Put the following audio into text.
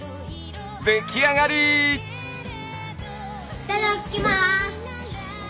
いただきます！